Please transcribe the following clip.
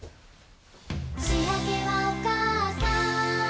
「しあげはおかあさん」